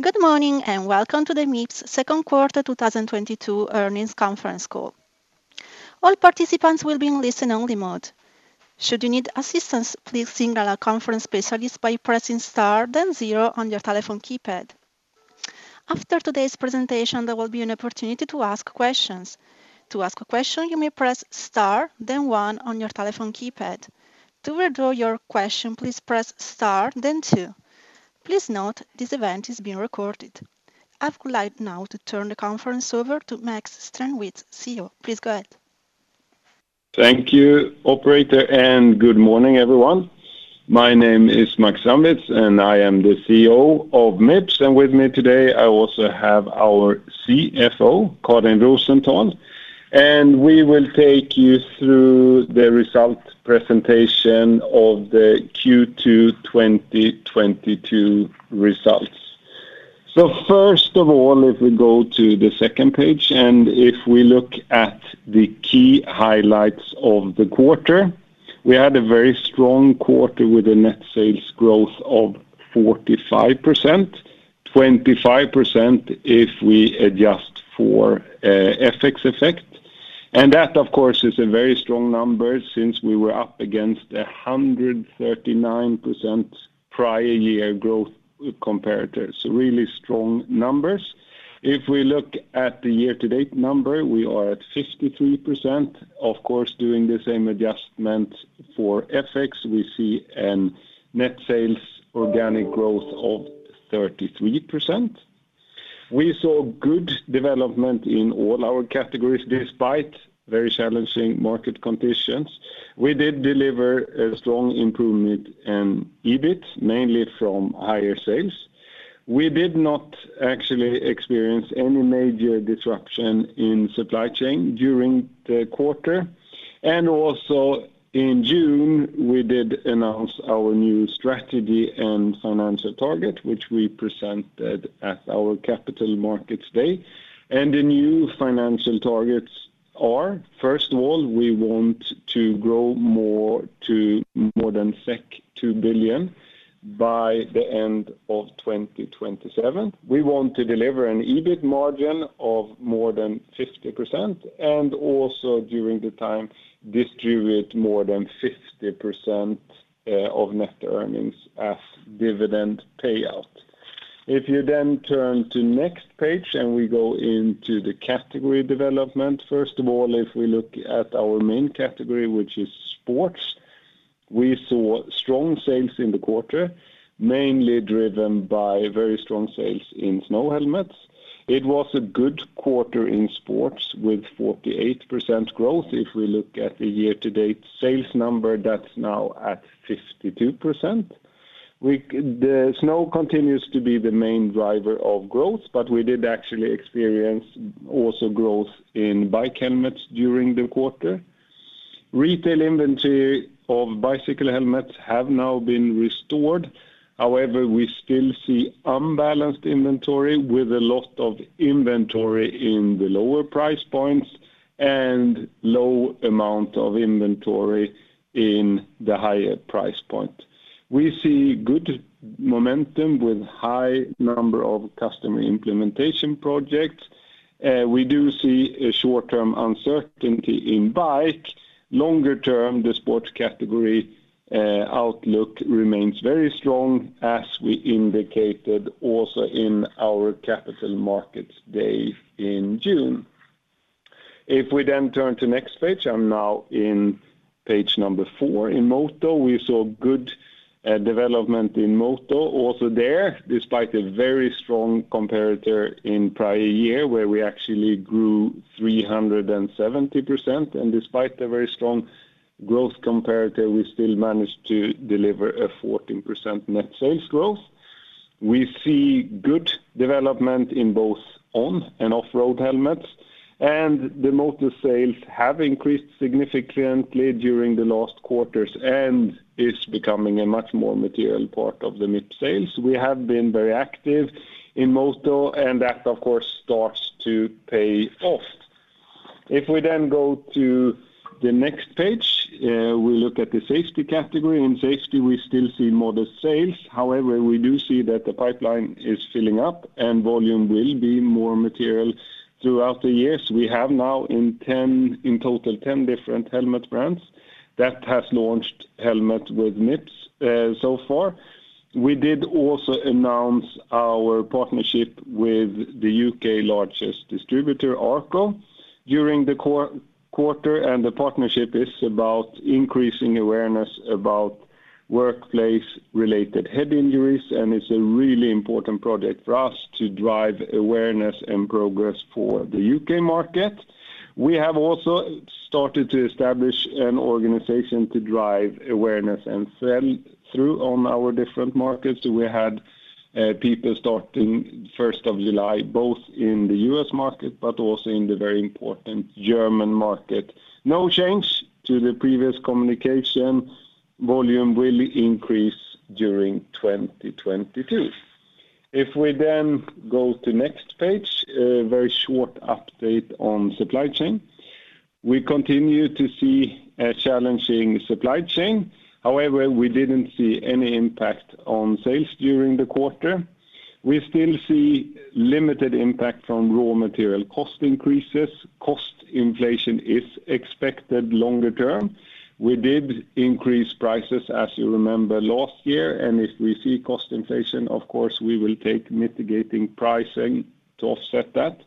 Good morning and welcome to the Mips Q2 2022 earnings conference call. All participants will be in listen-only mode. Should you need assistance, please signal a conference specialist by pressing star then zero on your telephone keypad. After today's presentation, there will be an opportunity to ask questions. To ask a question, you may press Star then one on your telephone keypad. To withdraw your question, please press star then two. Please note this event is being recorded. I'd like now to turn the conference over to Max Strandwitz, CEO. Please go ahead. Thank you, operator, and good morning, everyone. My name is Max Strandwitz, and I am the CEO of Mips. With me today, I also have our CFO, Karin Rosenthal, and we will take you through the result presentation of the Q2 2022 results. First of all, if we go to the second page, and if we look at the key highlights of the quarter, we had a very strong quarter with a net sales growth of 45%, 25% if we adjust for FX effect. That, of course, is a very strong number since we were up against a 139% prior year growth comparators. Really strong numbers. If we look at the year-to-date number, we are at 53%. Of course, doing the same adjustment for FX, we see a net sales organic growth of 33%. We saw good development in all our categories, despite very challenging market conditions. We did deliver a strong improvement in EBIT, mainly from higher sales. We did not actually experience any major disruption in supply chain during the quarter. Also in June, we did announce our new strategy and financial target, which we presented at our Capital Markets Day. The new financial targets are, first of all, we want to grow more to more than 2 billion by the end of 2027. We want to deliver an EBIT margin of more than 50% and also during the time, distribute more than 50% of net earnings as dividend payout. If you then turn to next page and we go into the category development. First of all, if we look at our main category, which is Sport, we saw strong sales in the quarter, mainly driven by very strong sales in snow helmets. It was a good quarter in Sport with 48% growth. If we look at the year-to-date sales number, that's now at 52%. The snow continues to be the main driver of growth, but we did actually experience also growth in bike helmets during the quarter. Retail inventory of bicycle helmets have now been restored. However, we still see unbalanced inventory with a lot of inventory in the lower price points and low amount of inventory in the higher price point. We see good momentum with high number of customer implementation projects. We do see a short-term uncertainty in bike. Longer-term, the Sport category outlook remains very strong, as we indicated also in our Capital Markets Day in June. If we then turn to next page, I'm now in page number 4. In Moto, we saw good development in Moto also there, despite a very strong comparator in prior year, where we actually grew 370%. Despite the very strong growth comparator, we still managed to deliver a 14% net sales growth. We see good development in both on and off road helmets, and the Moto sales have increased significantly during the last quarters and is becoming a much more material part of the Mips sales. We have been very active in Moto, and that, of course, starts to pay off. If we then go to the next page, we look at the Safety category. In Safety, we still see modest sales. However, we do see that the pipeline is filling up and volume will be more material throughout the years. We have now in total 10 different helmet brands that has launched helmets with Mips, so far. We did also announce our partnership with the UK's largest distributor, Arco, during the quarter, and the partnership is about increasing awareness about workplace-related head injuries, and it's a really important project for us to drive awareness and progress for the UK market. We have also started to establish an organization to drive awareness and sell through on our different markets. We had people starting first of July, both in the U.S. market but also in the very important German market. No change to the previous communication. Volume will increase during 2022. If we then go to next page, a very short update on supply chain. We continue to see a challenging supply chain. However, we didn't see any impact on sales during the quarter. We still see limited impact from raw material cost increases. Cost inflation is expected longer term. We did increase prices, as you remember last year, and if we see cost inflation, of course, we will take mitigating pricing to offset that.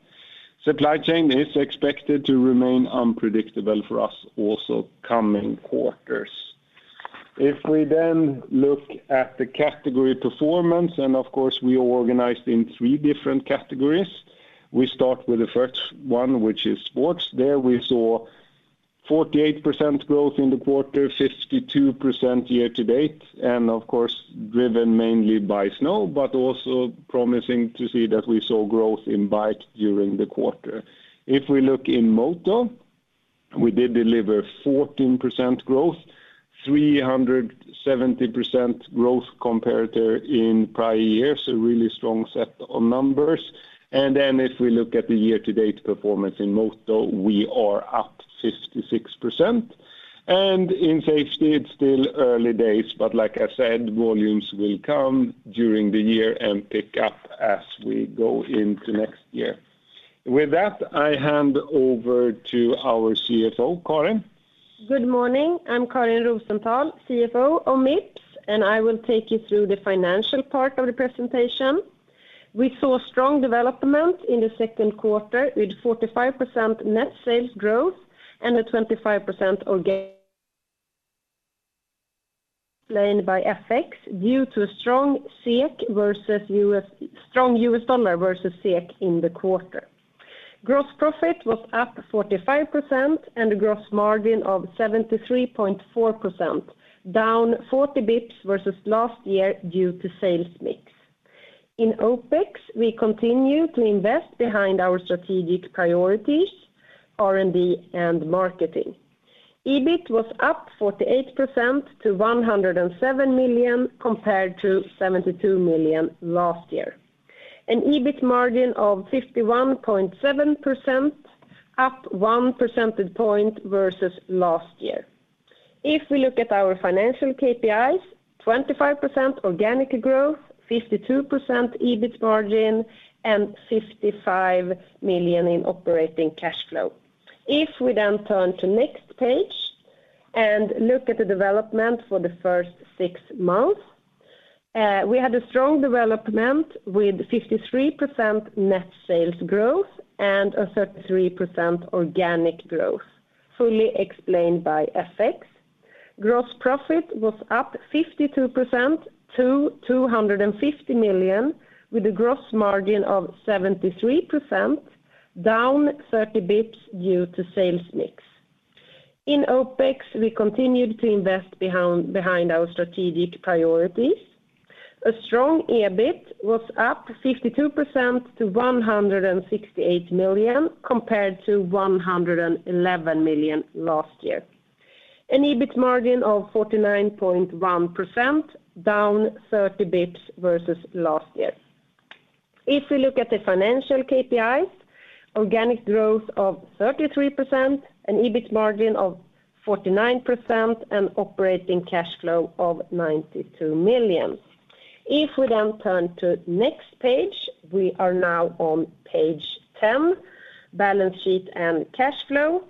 Supply chain is expected to remain unpredictable for us also coming quarters. If we then look at the category performance, and of course we are organized in three different categories, we start with the first one, which is Sport. There we saw 48% growth in the quarter, 52% year-to-date, and of course, driven mainly by snow, but also promising to see that we saw growth in bike during the quarter. If we look in Moto, we did deliver 14% growth, 370% growth compared to in prior years, a really strong set of numbers. Then if we look at the year-to-date performance in Moto, we are up 56%. In Safety, it's still early days, but like I said, volumes will come during the year and pick up as we go into next year. With that, I hand over to our CFO, Karin. Good morning. I'm Karin Rosenthal, CFO of Mips, and I will take you through the financial part of the presentation. We saw strong development in the second quarter with 45% net sales growth and a 25% organic growth explained by FX due to strong US dollar versus SEK in the quarter. Gross profit was up 45% and a gross margin of 73.4%, down 40 basis points versus last year due to sales mix. In OPEX, we continue to invest behind our strategic priorities, R&D and marketing. EBIT was up 48% to 107 million compared to 72 million last year. An EBIT margin of 51.7%, up 1 percentage point versus last year. If we look at our financial KPIs, 25% organic growth, 52% EBIT margin, and 55 million in operating cash flow. If we then turn to next page and look at the development for the first six months, we had a strong development with 53% net sales growth and a 33% organic growth, fully explained by FX. Gross profit was up 52% to 250 million with a gross margin of 73%, down thirty basis points due to sales mix. In OPEX, we continued to invest behind our strategic priorities. A strong EBIT was up 52% to 168 million, compared to 111 million last year. An EBIT margin of 49.1%, down thirty basis points versus last year. If we look at the financial KPIs, organic growth of 33%, an EBIT margin of 49%, and operating cash flow of 92 million. If we then turn to next page, we are now on page 10, balance sheet and cash flow.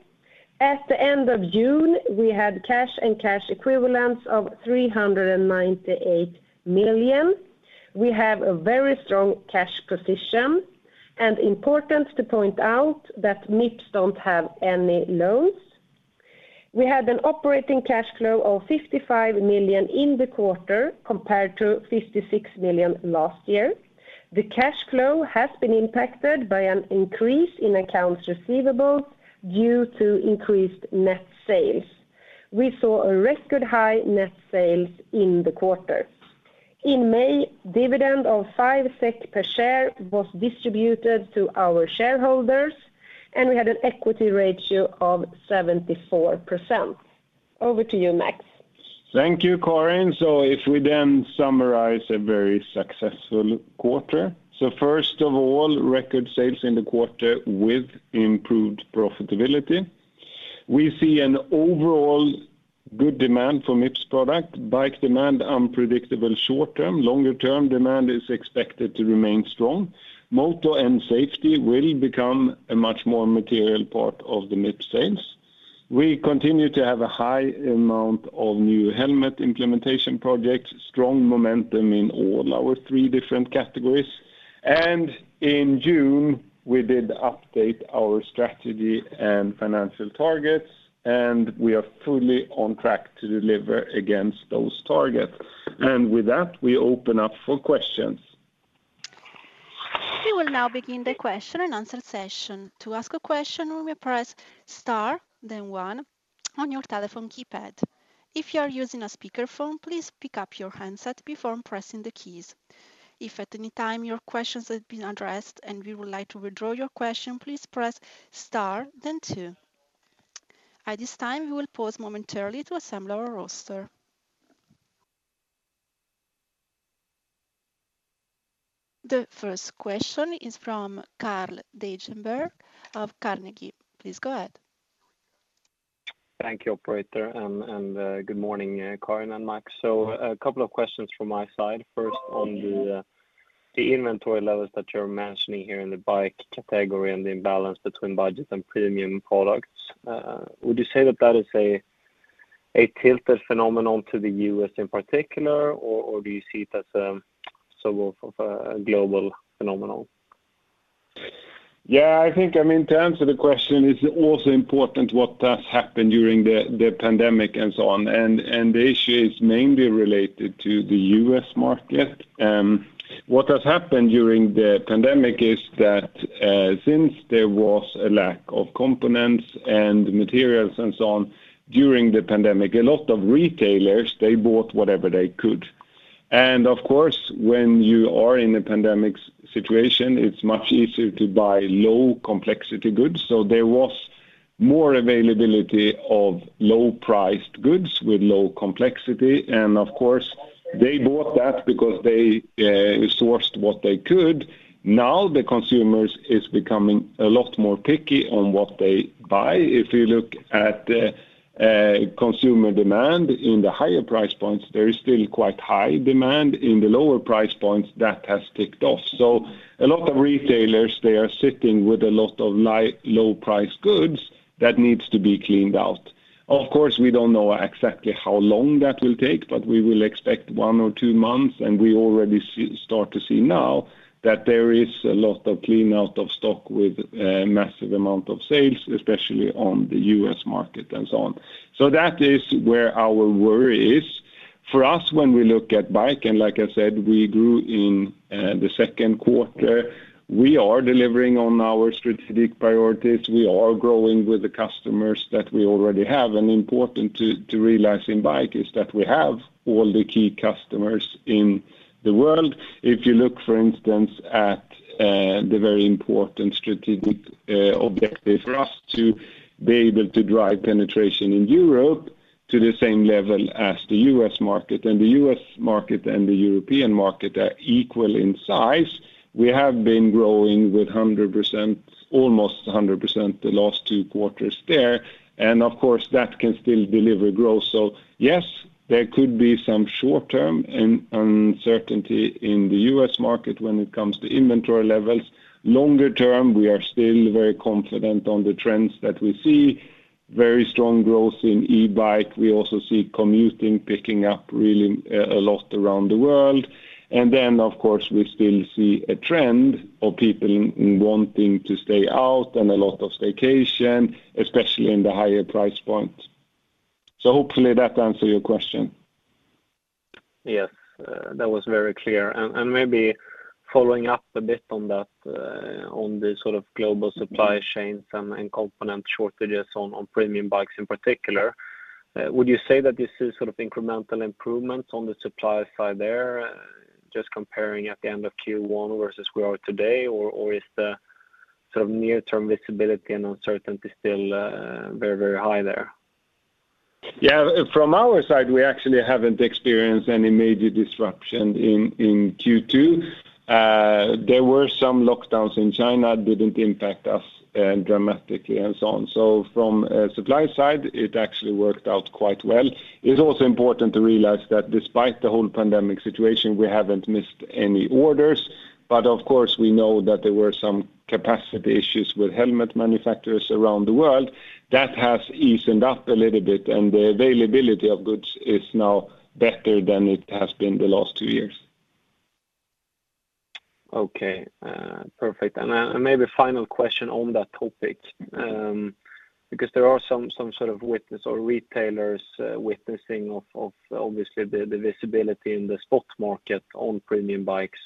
At the end of June, we had cash and cash equivalents of 398 million. We have a very strong cash position, and important to point out that Mips don't have any loans. We had an operating cash flow of 55 million in the quarter, compared to 56 million last year. The cash flow has been impacted by an increase in accounts receivable due to increased net sales. We saw a record high net sales in the quarter. In May, dividend of 5 SEK per share was distributed to our shareholders, and we had an equity ratio of 74%. Over to you, Max. Thank you, Karin. If we then summarize a very successful quarter. First of all, record sales in the quarter with improved profitability. We see an overall good demand for Mips' product. Bike demand unpredictable short term. Longer term, demand is expected to remain strong. Moto and safety will become a much more material part of the Mips sales. We continue to have a high amount of new helmet implementation projects, strong momentum in all our three different categories. In June, we did update our strategy and financial targets, and we are fully on track to deliver against those targets. With that, we open up for questions. We will now begin the question-and-answer session. To ask a question, we may press star then one on your telephone keypad. If you are using a speaker phone, please pick up your handset before pressing the keys. If at any time your questions have been addressed and we would like to withdraw your question, please press star then two. At this time, we will pause momentarily to assemble our roster. The first question is from Carl Deijenberg of Carnegie. Please go ahead. Thank you, operator, and good morning, Karin and Max. A couple of questions from my side. First, on the inventory levels that you are mentioning here in the bike category and the imbalance between budget and premium products. Would you say that is a tilted phenomenon to the U.S. in particular, or do you see it as sort of global phenomenon? Yes, I think to answer the question, it's also important what has happened during the pandemic and so on. The issue is mainly related to the US market. What has happened during the pandemic is that since there was a lack of components and materials and so on during the pandemic, a lot of retailers, they bought whatever they could. Of course, when you are in a pandemic situation, it's much easier to buy low complexity goods. There was more availability of low-priced goods with low complexity. Of course, they bought that because they sourced what they could. Now, the consumers is becoming a lot more picky on what they buy. If you look at the consumer demand in the higher price points, there is still quite high demand. In the lower price points, that has ticked off. A lot of retailers, they are sitting with a lot of low-priced goods that needs to be cleaned out. Of course, we don't know exactly how long that will take, but we will expect one or two months, and we already see now that there is a lot of clean out of stock with a massive amount of sales, especially on the U.S. market and so on. That is where our worry is. For us, when we look at bike, like I said, we grew in the second quarter. We are delivering on our strategic priorities. We are growing with the customers that we already have. Important to realize in bike is that we have all the key customers in the world. If you look, for instance, at the very important strategic objective for us to be able to drive penetration in Europe to the same level as the U.S. market, and the U.S. market and the European market are equal in size. We have been growing with 100%, almost 100% the last two quarters there. Of course, that can still deliver growth. Yes, there could be some short-term uncertainty in the U.S. market when it comes to inventory levels. Longer term, we are still very confident on the trends that we see. Very strong growth in e-bike. We also see commuting picking up really a lot around the world. Then, of course, we still see a trend of people wanting to stay out and a lot of staycation, especially in the higher price point. Hopefully that answers your question. Yes, that was very clear. Maybe following up a bit on that, on the global supply chains and component shortages on premium bikes in particular, would you say that this is incremental improvements on the supply side there, just comparing at the end of Q1 versus where we are today? Is the near-term visibility and uncertainty still very high there? Yes. From our side, we actually haven't experienced any major disruption in Q2. There were some lockdowns in China, didn't impact us dramatically and so on. From a supply side, it actually worked out quite well. It's also important to realize that despite the whole pandemic situation, we haven't missed any orders. Of course, we know that there were some capacity issues with helmet manufacturers around the world. That has eased up a little bit, and the availability of goods is now better than it has been the last two years. Okay. Perfect. Maybe final question on that topic, because there are some wholesalers or retailers witnessing obviously the visibility in the stock market on premium bikes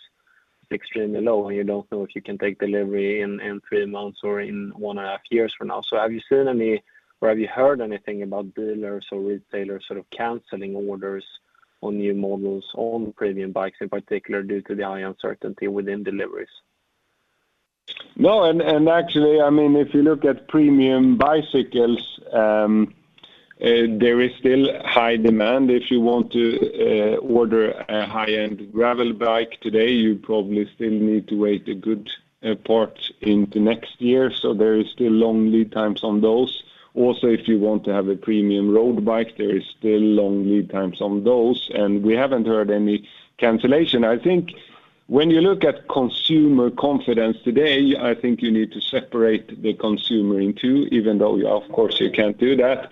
extremely low, and you don't know if you can take delivery in three months or in one and a half years from now. Have you seen any or have you heard anything about dealers or retailers canceling orders on new models on premium bikes in particular due to the high uncertainty within deliveries? No. Actually, if you look at premium bicycles, there is still high demand. If you want to order a high-end gravel bike today, you probably still need to wait a good part into next year. There is still long lead times on those. Also, if you want to have a premium road bike, there is still long lead times on those, and we haven't heard any cancellation. I think when you look at consumer confidence today, I think you need to separate the consumer in two, even though of course you can't do that.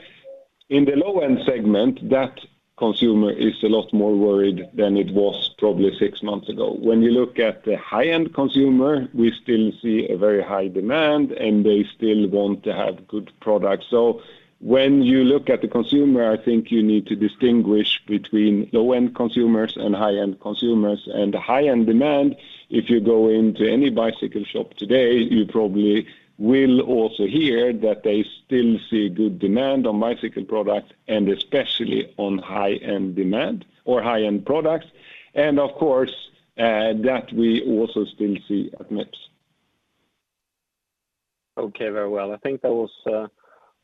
In the low-end segment, that consumer is a lot more worried than it was probably six months ago. When you look at the high-end consumer, we still see a very high demand, and they still want to have good products. When you look at the consumer, I think you need to distinguish between low-end consumers and high-end consumers. The high-end demand, if you go into any bicycle shop today, you probably will also hear that they still see good demand on bicycle products, and especially on high-end demand or high-end products. Of course, that we also still see at Mips. Okay, very well. I think that was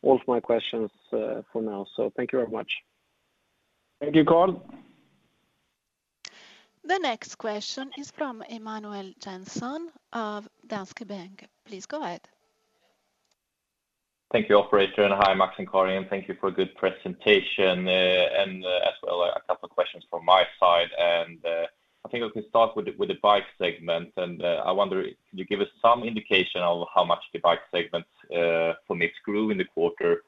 all of my questions for now. Thank you very much. Thank you, Carl. The next question is from Emanuel Jansson of Danske Bank. Please go ahead. Thank you, operator. Hi, Max and Karin, thank you for a good presentation, and as well, a couple of questions from my side. I think I can start with the bike segment. I wonder if you could give us some indication of how much the bike segment for Mips grew in the quarter.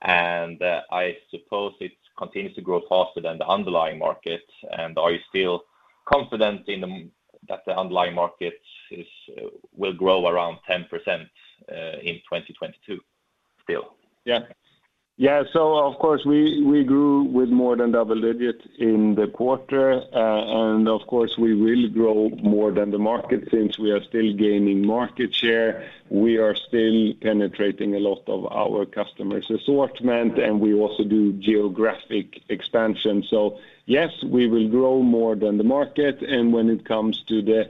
I suppose it continues to grow faster than the underlying market. Are you still confident that the underlying market will grow around 10% in 2022 still? Yes. Yes. Of course we grew with more than double digits in the quarter. Of course we will grow more than the market since we are still gaining market share. We are still penetrating a lot of our customers' assortment, and we also do geographic expansion. Yes, we will grow more than the market. When it comes to the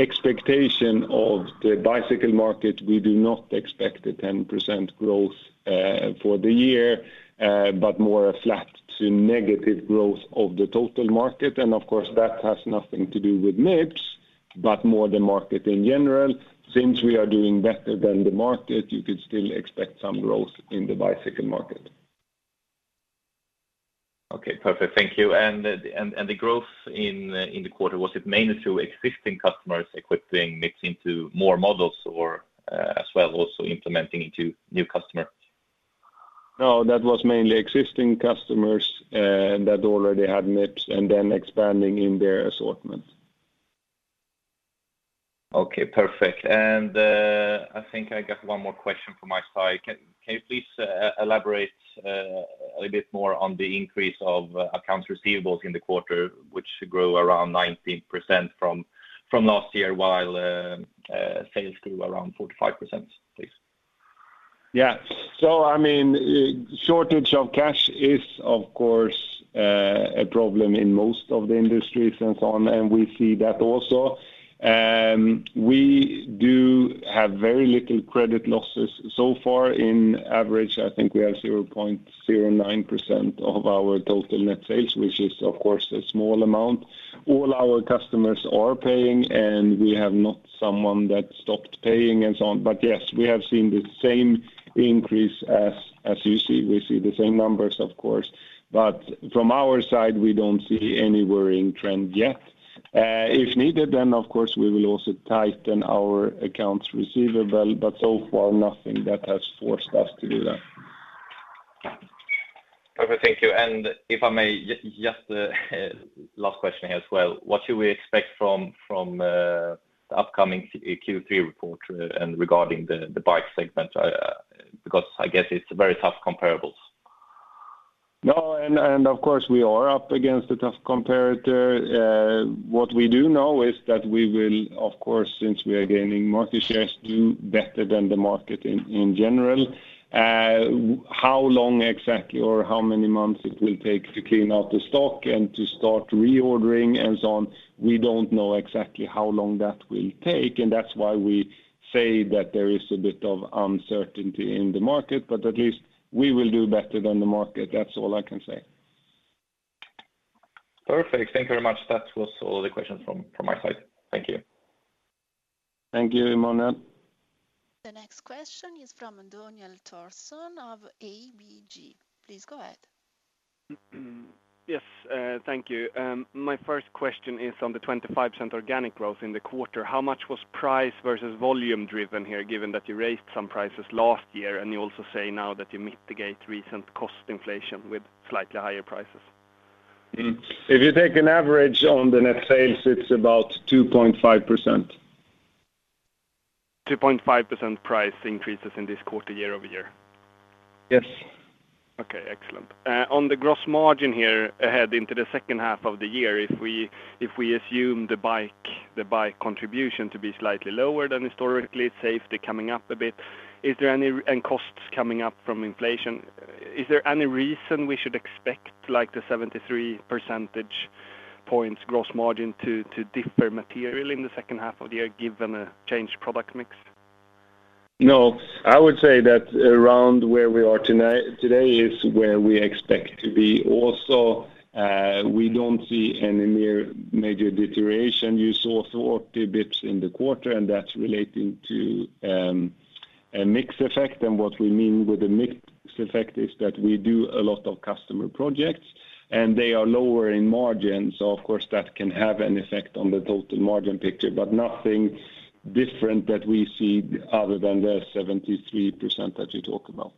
expectation of the bicycle market, we do not expect a 10% growth for the year, but more a flat to negative growth of the total market. Of course, that has nothing to do with Mips, but more the market in general. Since we are doing better than the market, you could still expect some growth in the bicycle market. Okay. Perfect. Thank you. The growth in the quarter, was it mainly through existing customers equipping Mips into more models or as well also implementing into new customers? No, that was mainly existing customers that already had Mips and then expanding in their assortment. Okay, perfect. I think I got one more question from my side. Can you please elaborate a little bit more on the increase of accounts receivables in the quarter, which grew around 19% from last year, while sales grew around 45%, please? Yes. I mean, shortage of cash is of course a problem in most of the industries and so on, and we see that also. We do have very little credit losses so far. In average, I think we have 0.09% of our total net sales, which is of course a small amount. All our customers are paying, and we have not someone that stopped paying and so on. Yes, we have seen the same increase as you see. We see the same numbers, of course. From our side, we don't see any worrying trend yet. If needed, of course we will also tighten our accounts receivable, but so far nothing that has forced us to do that. Okay. Thank you. If I may, just last question here as well. What should we expect from the upcoming Q3 report and regarding the bike segment? Because I guess it's very tough comparables. No, and of course we are up against a tough comparator. What we do know is that we will, of course, since we are gaining market shares, do better than the market in general. How long exactly or how many months it will take to clean out the stock and to start reordering and so on, we don't know exactly how long that will take, and that's why we say that there is a bit of uncertainty in the market. At least we will do better than the market. That's all I can say. Perfect. Thank you very much. That was all the questions from my side. Thank you. Thank you, Emanuel. The next question is from Daniel Thorsson of ABG. Please go ahead. Yes, thank you. My first question is on the 25% organic growth in the quarter. How much was price versus volume driven here, given that you raised some prices last year, and you also say now that you mitigate recent cost inflation with slightly higher prices? If you take an average on the net sales, it's about 2.5%. 2.5% price increases in this quarter year-over-year? Yes. Okay, excellent. On the gross margin heading into the second half of the year, if we assume the bike contribution to be slightly lower than historically, safety coming up a bit, and costs coming up from inflation, is there any reason we should expect like the 73% gross margin to differ materially in the second half of the year given a changed product mix? No. I would say that around where we are today is where we expect to be. Also, we don't see any near major deterioration. You saw 40 basis points in the quarter, and that's relating to a Mips effect. What we mean with the Mips effect is that we do a lot of customer projects, and they are lower in margin. Of course, that can have an effect on the total margin picture, but nothing different that we see other than the 73% that you talk about.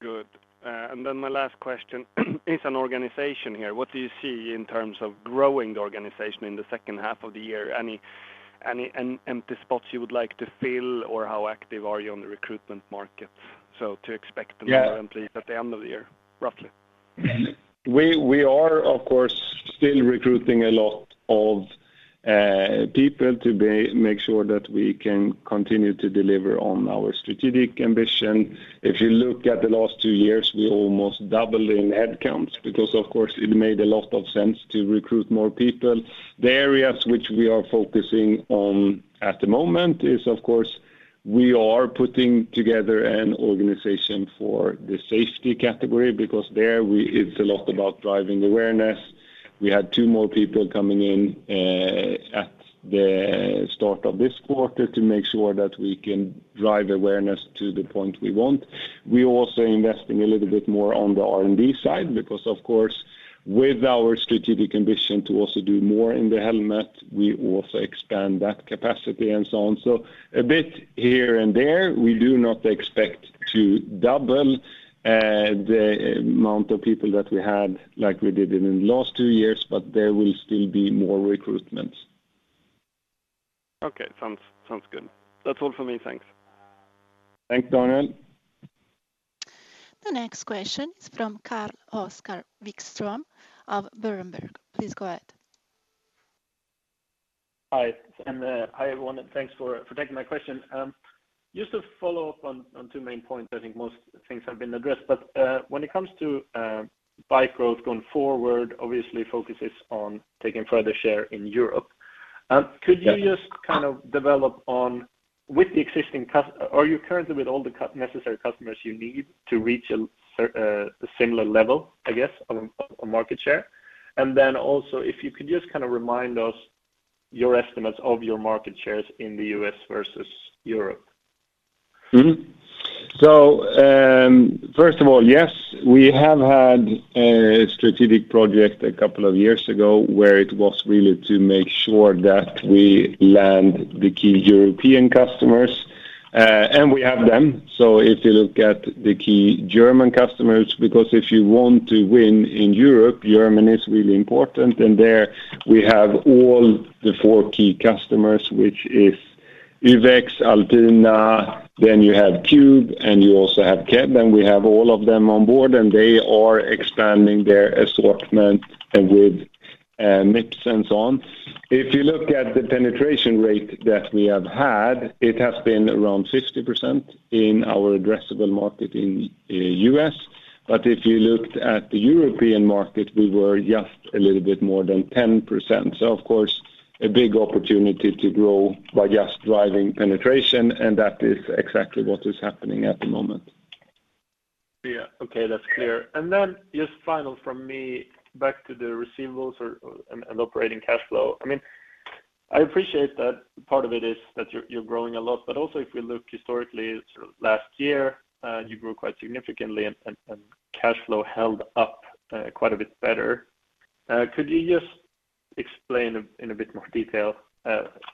Good. My last question is about the organization here. What do you see in terms of growing the organization in the second half of the year? Any empty spots you would like to fill, or how active are you on the recruitment market? What to expect the number of employees at the end of the year, roughly? We are of course still recruiting a lot of people to make sure that we can continue to deliver on our strategic ambition. If you look at the last two years, we almost doubled in headcounts because of course it made a lot of sense to recruit more people. The areas which we are focusing on at the moment is of course. We are putting together an organization for the safety category because there it's a lot about driving awareness. We had two more people coming in at the start of this quarter to make sure that we can drive awareness to the point we want. We're also investing a little bit more on the R&D side because of course, with our strategic ambition to also do more in the helmet, we also expand that capacity and so on. A bit here and there. We do not expect to double the amount of people that we had like we did in the last two years, but there will still be more recruitments. Okay. Sounds good. That's all for me. Thanks. Thanks, Daniel. The next question is from Carl-Oscar Vikström of Berenberg. Please go ahead. Hi, everyone, and thanks for taking my question. Just to follow up on two main points. I think most things have been addressed, but when it comes to bike growth going forward, obviously focuses on taking further share in Europe. Could you just develop on, are you currently with all the necessary customers you need to reach a similar level on market share? Then also, if you could just remind us your estimates of your market shares in the U.S. versus Europe. First of all, yes, we have had a strategic project a couple of years ago where it was really to make sure that we land the key European customers, and we have them. If you look at the key German customers, because if you want to win in Europe, Germany is really important. There we have all the four key customers, which is Uvex, Alpina, then you have CUBE, and you also have KED. We have all of them on board, and they are expanding their assortment with Mips and so on. If you look at the penetration rate that we have had, it has been around 50% in our addressable market in U.S. If you looked at the European market, we were just a little bit more than 10%. Of course, a big opportunity to grow by just driving penetration, and that is exactly what is happening at the moment. Yes. Okay. That's clear. Then just final from me back to the receivables and operating cash flow. I appreciate that part of it is that you're growing a lot. Also if we look historically last year, you grew quite significantly and cash flow held up quite a bit better. Could you just explain in a bit more detail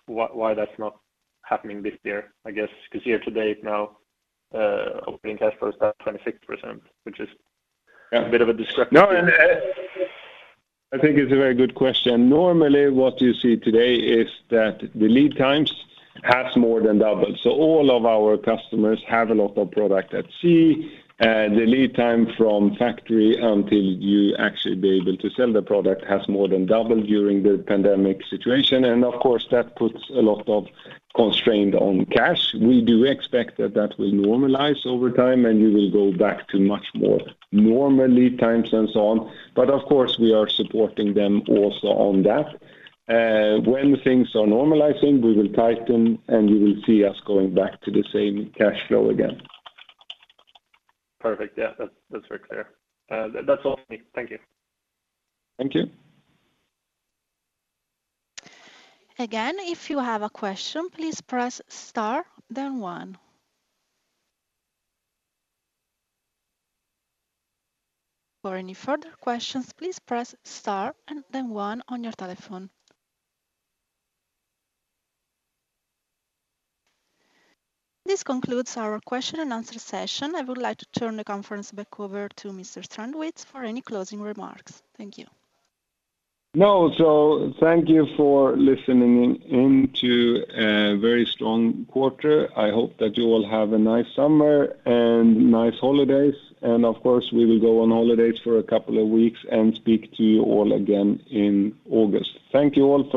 why that's not happening this year? I guess because year-to-date now, operating cash flow is down 26%, which is a bit of a discrepancy. No, I think it's a very good question. Normally, what you see today is that the lead times has more than doubled. All of our customers have a lot of product at sea. The lead time from factory until you actually be able to sell the product has more than doubled during the pandemic situation. Of course, that puts a lot of constraint on cash. We do expect that that will normalize over time, and we will go back to much more normal lead times and so on. Of course, we are supporting them also on that. When things are normalizing, we will tighten, and you will see us going back to the same cash flow again. Perfect. Yes. That's very clear. That's all for me. Thank you. Thank you. Again, if you have a question, please press star then one. For any further questions, please press star and then one on your telephone. This concludes our question and answer session. I would like to turn the conference back over to Mr. Strandwitz for any closing remarks. Thank you. No. Thank you for listening in to a very strong quarter. I hope that you all have a nice summer and nice holidays. Of course, we will go on holidays for a couple of weeks and speak to you all again in August. Thank you all.